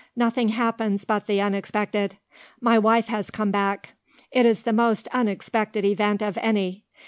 Nothing happens but the unexpected. My wife has come back. It is the most unexpected event of any.